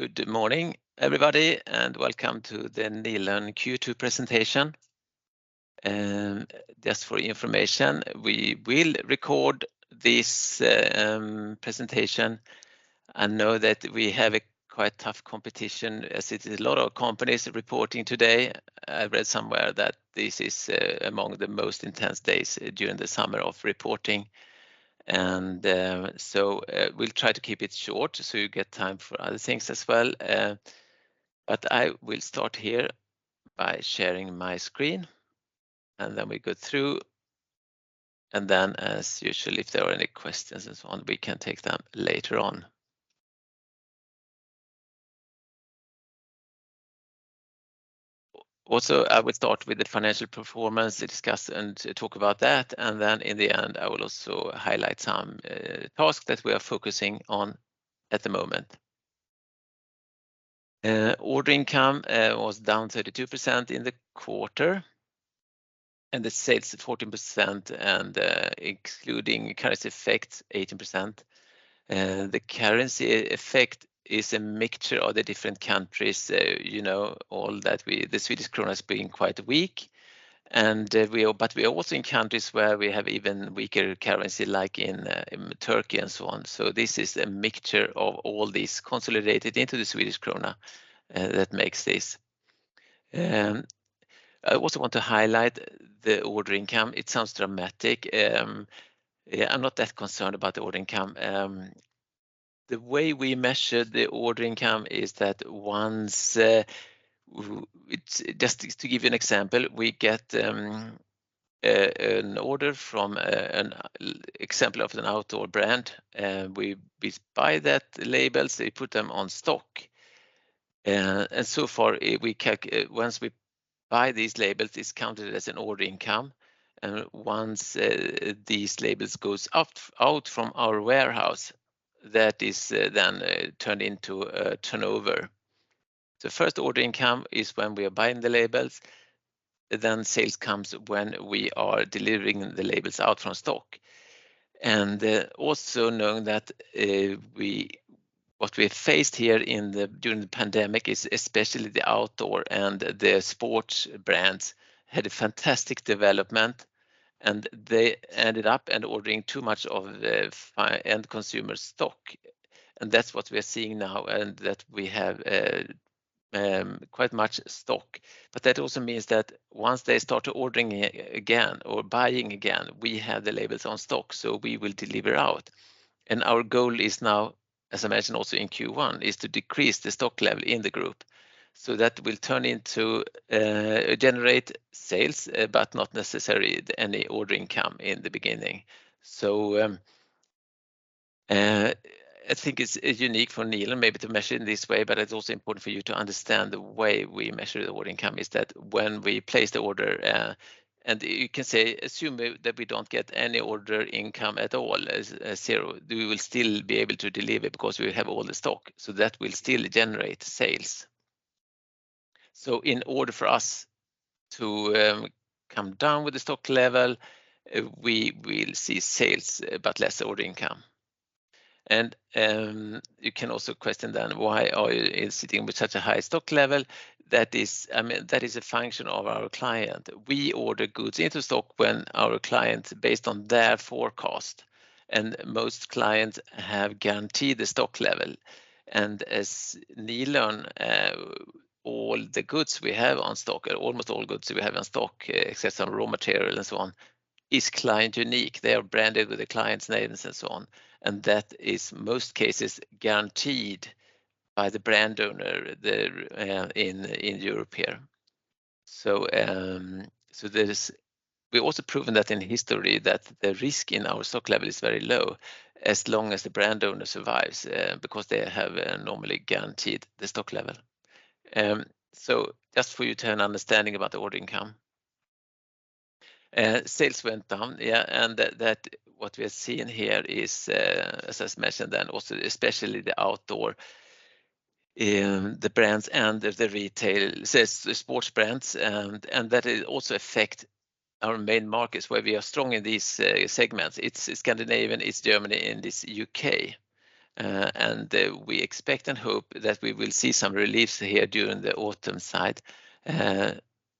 Good morning, everybody, and welcome to the Nilörn Q2 presentation. Just for your information, we will record this presentation. I know that we have a quite tough competition as it is a lot of companies reporting today. I read somewhere that this is among the most intense days during the summer of reporting. We'll try to keep it short, so you get time for other things as well. I will start here by sharing my screen. We go through. As usual, if there are any questions and so on, we can take them later on. I will start with the financial performance, discuss and talk about that. In the end, I will also highlight some tasks that we are focusing on at the moment. Order income was down 32% in the quarter, and the sales 14% and, excluding currency effects, 18%. The currency effect is a mixture of the different countries. You know, all that the Swedish krona has been quite weak, and we are, but we are also in countries where we have even weaker currency, like in Turkey and so on. This is a mixture of all these consolidated into the Swedish krona that makes this. I also want to highlight the order income. It sounds dramatic. Yeah, I'm not that concerned about the order income. The way we measure the order income is that once it's... Just to give you an example, we get an order from an example of an outdoor brand, we buy that labels, we put them on stock. So far, once we buy these labels, it's counted as an order income, and once these labels goes out from our warehouse, that is then turned into a turnover. The first order income is when we are buying the labels, sales comes when we are delivering the labels out from stock. Also knowing that what we faced here during the pandemic is especially the outdoor and the sports brands had a fantastic development, they ended up and ordering too much of the end consumer stock, that's what we are seeing now, that we have quite much stock. That also means that once they start ordering again or buying again, we have the labels on stock, so we will deliver out. Our goal is now, as I mentioned, also in Q1, is to decrease the stock level in the group. That will turn into generate sales, but not necessarily any order income in the beginning. I think it's unique for Nilörn maybe to measure in this way, but it's also important for you to understand the way we measure the order income is that when we place the order, and you can say, assume that we don't get any order income at all, as zero, we will still be able to deliver because we have all the stock, so that will still generate sales. In order for us to come down with the stock level, we will see sales, but less order income. You can also question then, why are you sitting with such a high stock level? That is, I mean, that is a function of our client. We order goods into stock when our clients, based on their forecast, and most clients have guaranteed the stock level. As Nilörn, all the goods we have on stock, or almost all goods we have on stock, except some raw material and so on, is client unique. They are branded with the client's names and so on, and that is, most cases, guaranteed by the brand owner, the in Europe here. We also proven that in history, that the risk in our stock level is very low, as long as the brand owner survives, because they have normally guaranteed the stock level. Just for you to have an understanding about the order income. Sales went down, and that, what we are seeing here is, as I mentioned, and also especially the outdoor, the brands and the retail, says the sports brands, it also affect our main markets, where we are strong in these segments. It's Scandinavia, and it's Germany, and it's U.K. We expect and hope that we will see some relief here during the autumn side.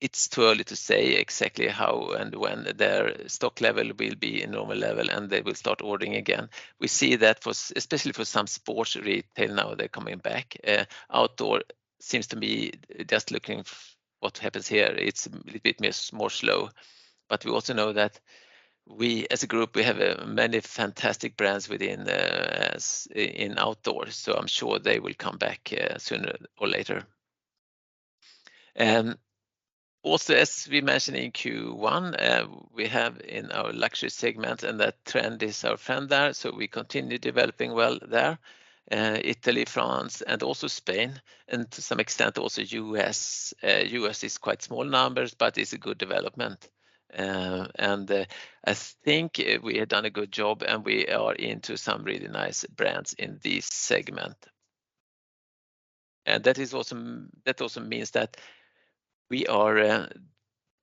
It's too early to say exactly how and when their stock level will be a normal level, and they will start ordering again. We see that for, especially for some sports retail now, they're coming back. Outdoor seems to be, just looking what happens here, it's a bit more slow. We also know that we, as a group, we have many fantastic brands within as in outdoors, so I'm sure they will come back sooner or later. Also, as we mentioned in Q1, we have in our luxury segment, and the trend is our founder, so we continue developing well there, Italy, France, and also Spain, and to some extent, also US. US is quite small numbers, but it's a good development. I think we have done a good job, and we are into some really nice brands in this segment. That is also, that also means that we are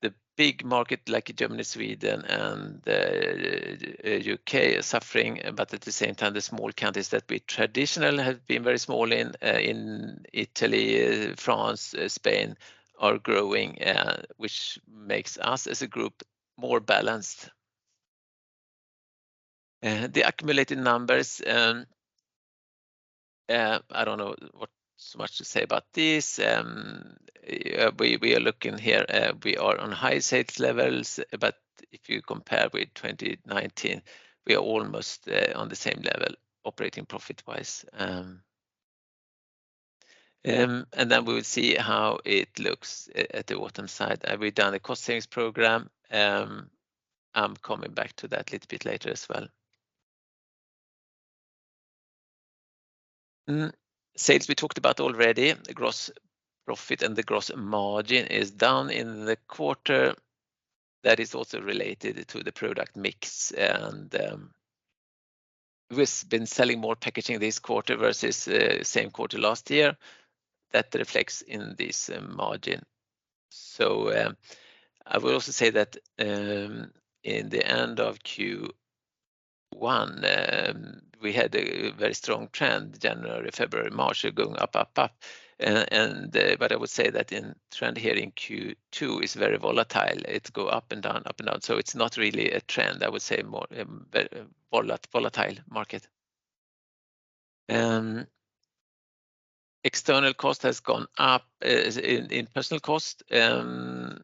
the big market like Germany, Sweden, and UK are suffering. At the same time, the small countries that we traditionally have been very small in Italy, France, Spain, are growing, which makes us as a group more balanced. The accumulated numbers, I don't know what so much to say about this. We are looking here, we are on high sales levels. If you compare with 2019, we are almost on the same level, operating profit-wise. We will see how it looks at the bottom side. We've done a cost savings program. I'm coming back to that a little bit later as well. Sales we talked about already. The gross profit and the gross margin is down in the quarter. That is also related to the product mix, we've been selling more packaging this quarter versus same quarter last year. That reflects in this margin. I will also say that in the end of Q1, we had a very strong trend, January, February, March, going up, up. I would say that in trend here in Q2 is very volatile. It go up and down, up and down, so it's not really a trend. I would say more volatile market. External cost has gone up, in personal cost. Here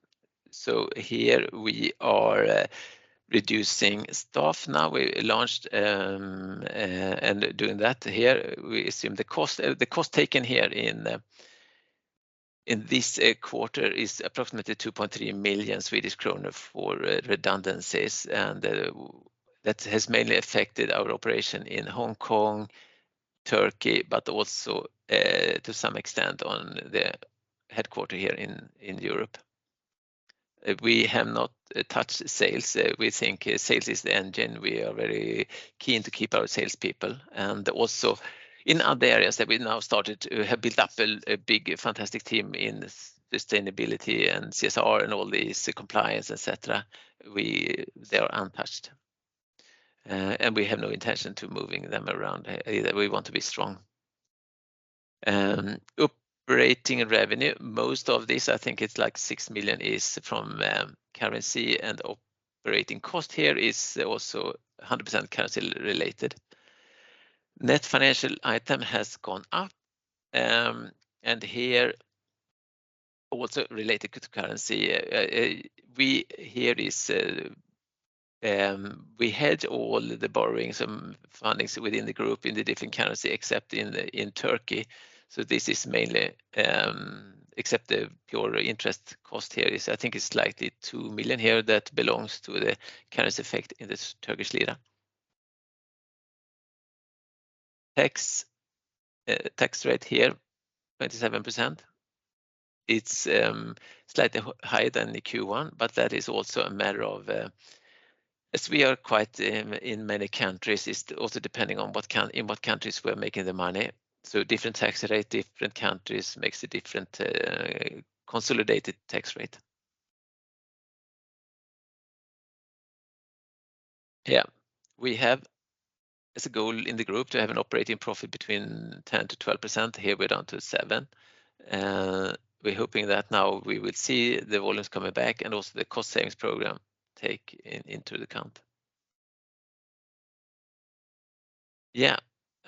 we are reducing staff now. We launched, and doing that here, we assume the cost, the cost taken here in this quarter is approximately 2.3 million Swedish kronor for redundancies, and that has mainly affected our operation in Hong Kong, Turkey, but also to some extent on the headquarter here in Europe. We have not touched sales. We think sales is the engine. We are very keen to keep our salespeople, and also in other areas that we now started to have built up a big, fantastic team in sustainability and CSR and all these compliance, et cetera. They are untouched, and we have no intention to moving them around. We want to be strong. Operating revenue, most of this, I think it's like 6 million, is from currency and operating cost here is also 100% currency related. Net financial item has gone up. Here, also related to currency. We here is, we hedge all the borrowings and fundings within the group in the different currency, except in Turkey. This is mainly, except the pure interest cost here is I think it's slightly 2 million here that belongs to the currency effect in this Turkish lira. Tax, tax rate here, 27%. It's slightly higher than the Q1. That is also a matter of, as we are quite in many countries, it's also depending on what countries we're making the money. Different tax rate, different countries, makes a different consolidated tax rate. We have as a goal in the group to have an operating profit between 10% to 12%. Here, we're down to 7%, we're hoping that now we will see the volumes coming back and also the cost savings program take into account.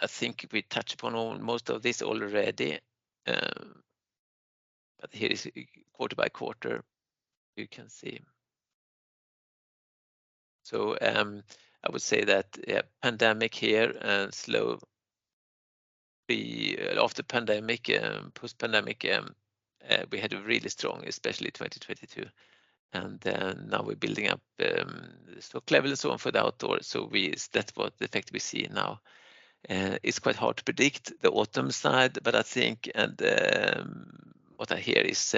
I think we touched upon all, most of this already, here is quarter by quarter, you can see. I would say that pandemic here, slow. The after pandemic, post-pandemic, we had a really strong, especially 2022. Now we're building up stock level and so on for the outdoor. That's what the effect we see now. It's quite hard to predict the autumn side, but I think, and what I hear is,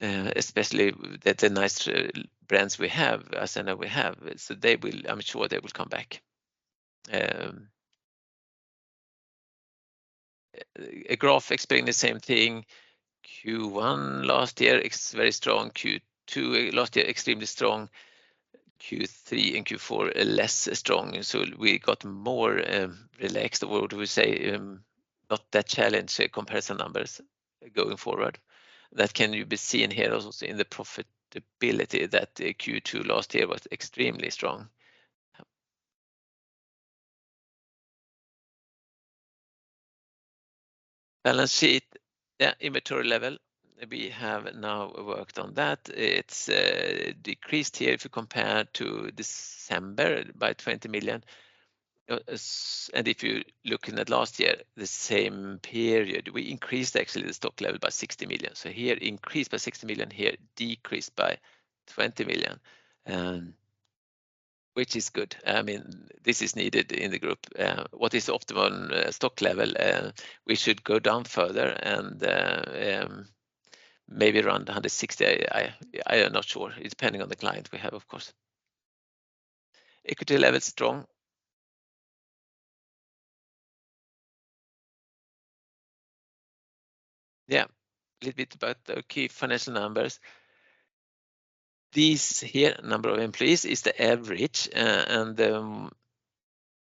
especially that the nice brands we have, as I know we have, so I'm sure they will come back. A graph explaining the same thing. Q1 last year, it's very strong. Q2 last year, extremely strong. Q3 and Q4, less strong, so we got more relaxed, what would we say, not that challenged comparison numbers going forward. That can be seen here also in the profitability, that the Q2 last year was extremely strong. Balance sheet, yeah, inventory level, we have now worked on that. It's decreased here if you compare to December by 20 million. If you're looking at last year, the same period, we increased actually the stock level by 60 million. Here, increased by 60 million, here, decreased by 20 million, which is good. I mean, this is needed in the group. What is optimal stock level? We should go down further and maybe around 160. I am not sure. It's depending on the client we have, of course. Equity level, strong. A little bit about the key financial numbers. These here, number of employees is the average, and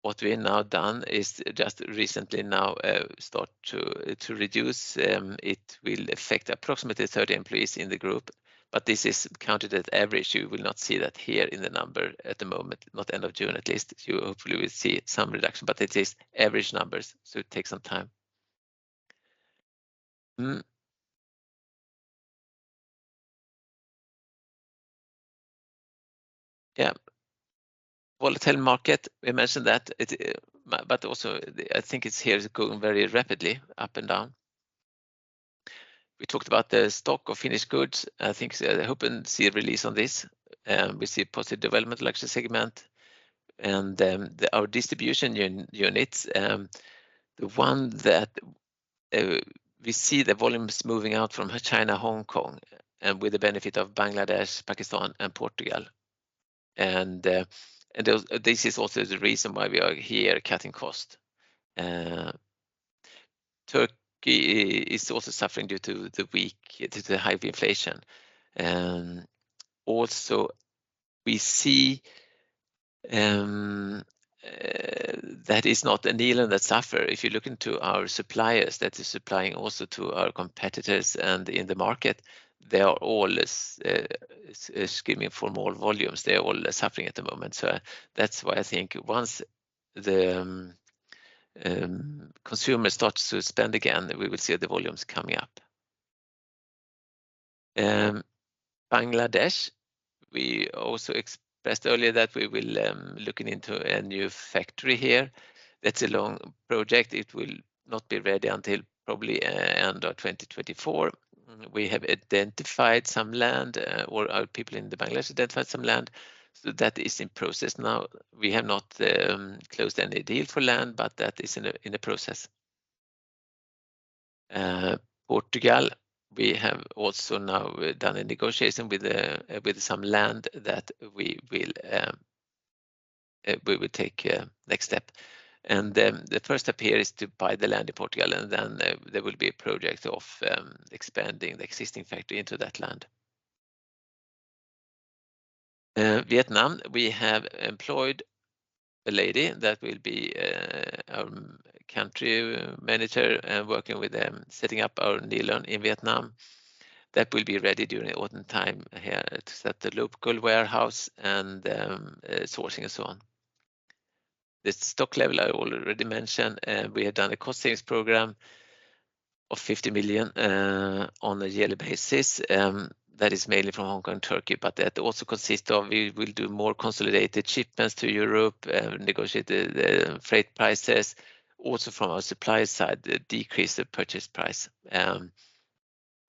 what we now done is just recently now, start to reduce. It will affect approximately 30 employees in the group, but this is counted as average. You will not see that here in the number at the moment, not end of June, at least. You hopefully will see some reduction, but it is average numbers, so it takes some time. Yeah. Volatile market, we mentioned that it. Also, I think it's here is going very rapidly up and down. We talked about the stock of finished goods. I think hoping to see a release on this. We see positive development, luxury segment, and our distribution units, the one that we see the volumes moving out from China, Hong Kong, and with the benefit of Bangladesh, Pakistan and Portugal. This is also the reason why we are here cutting cost. Turkey is also suffering due to the high inflation. Also we see that is not a Nilörn that suffer. If you look into our suppliers, that is supplying also to our competitors and in the market, they are all screaming for more volumes. They are all suffering at the moment. That's why I think once the consumer starts to spend again, we will see the volumes coming up. Bangladesh, we also expressed earlier that we will looking into a new factory here. That's a long project. It will not be ready until probably end of 2024. We have identified some land, or our people in Bangladesh identified some land, so that is in process now. We have not closed any deal for land, but that is in a, in the process. Portugal, we have also now done a negotiation with some land that we will we will take a next step, and then the first step here is to buy the land in Portugal, and then there will be a project of expanding the existing factory into that land. Vietnam, we have employed a lady that will be country manager and working with them, setting up our Nilörn in Vietnam. That will be ready during autumn time here at the local warehouse and sourcing and so on. The stock level I already mentioned, we have done a cost savings program of 50 million on a yearly basis. That is mainly from Hong Kong and Turkey, but that also consists of we will do more consolidated shipments to Europe, negotiate the freight prices. Also from our supply side, decrease the purchase price.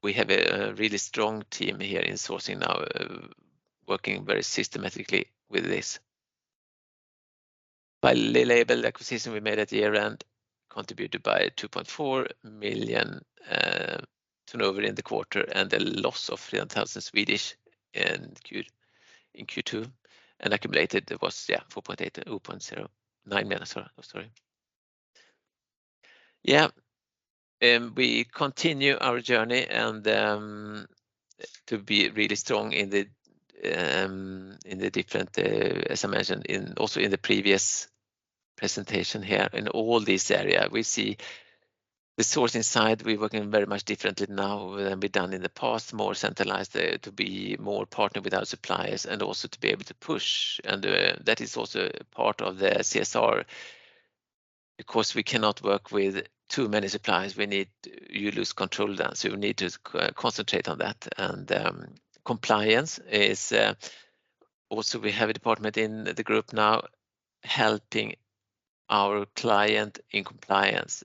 We have a really strong team here in sourcing now, working very systematically with this. By-Label acquisition, we made at the year end, contributed by 2.4 million turnover in the quarter, and a loss of 300,000 in Q2, and accumulated it was 4.8, 0.09 million, sorry. We continue our journey to be really strong in the different, as I mentioned in also in the previous presentation here, in all these area, we see the sourcing side, we're working very much differently now than we've done in the past. More centralized, to be more partnered with our suppliers and also to be able to push. That is also part of the CSR, because we cannot work with too many suppliers. You lose control then, so you need to concentrate on that. Compliance is also we have a department in the group now helping our client in compliance.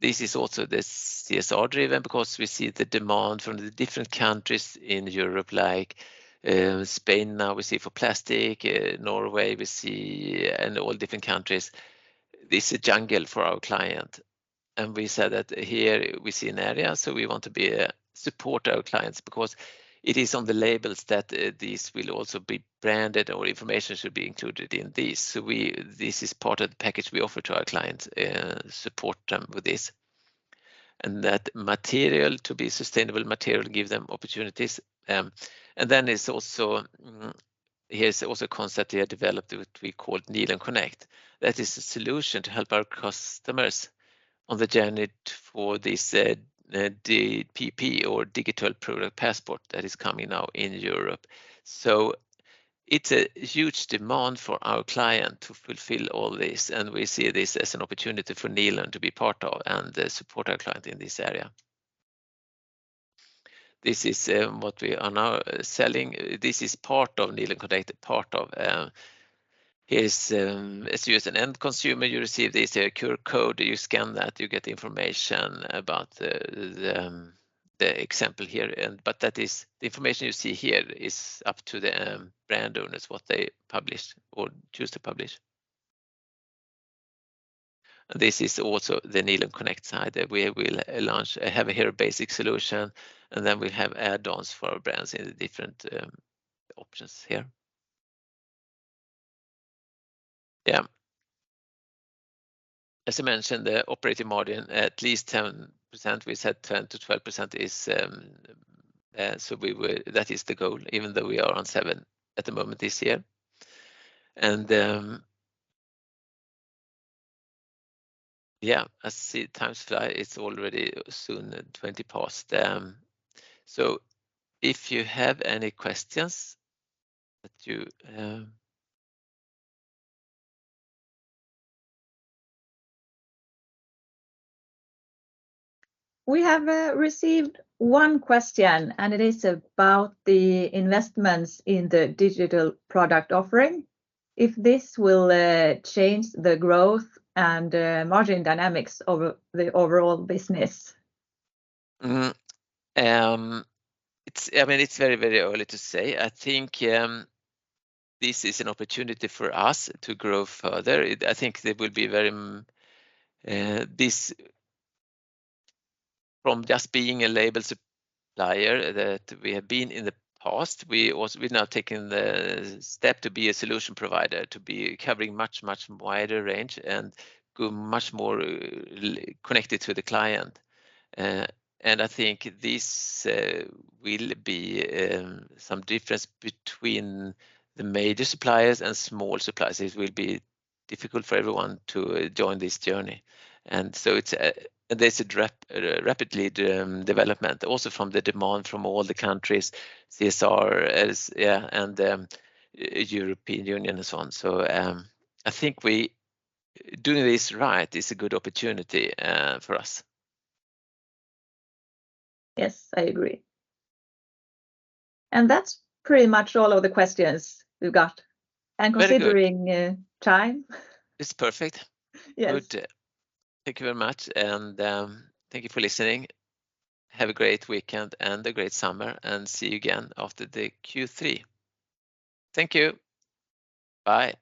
This is also this CSR-driven because we see the demand from the different countries in Europe, like Spain now we see for plastic, Norway we see, and all different countries. This is a jungle for our client, and we said that here we see an area, so we want to be support our clients because it is on the labels that these will also be branded or information should be included in this. This is part of the package we offer to our clients, support them with this. That material, to be sustainable material, give them opportunities, and then it's also, here's also a concept we have developed, which we call Nilörn:CONNECT. That is a solution to help our customers on the journey for this DPP or Digital Product Passport that is coming now in Europe. It's a huge demand for our client to fulfill all this, and we see this as an opportunity for Nilörn to be part of and support our client in this area. This is what we are now selling. This is part of Nilörn:CONNECT, part of, as you as an end consumer, you receive this QR code, you scan that, you get information about the example here. That is, the information you see here is up to the brand owners, what they publish or choose to publish. This is also the Nilörn:CONNECT side, that we will launch, have a here basic solution, and then we have add-ons for our brands in the different options here. Yeah. As I mentioned, the operating margin, at least 10%, we said 10% to 12% is, that is the goal, even though we are on 7% at the moment this year. Yeah, I see time fly. It's already soon 20 past. If you have any questions that you. We have received one question, and it is about the investments in the digital product offering. If this will change the growth and margin dynamics of the overall business? It's, I mean, it's very, very early to say. I think this is an opportunity for us to grow further. I think there will be very, from just being a label supplier that we have been in the past, we've now taken the step to be a solution provider, to be covering much, much wider range and go much more connected to the client. I think this will be some difference between the major suppliers and small suppliers. It will be difficult for everyone to join this journey, there's a rapidly development also from the demand from all the countries, CSR as, yeah, and European Union and so on. I think we doing this right is a good opportunity for us. Yes, I agree. That's pretty much all of the questions we've got. Very good. Considering, time. It's perfect. Yes. Good. Thank you very much, and, thank you for listening. Have a great weekend and a great summer, and see you again after the Q3. Thank you. Bye.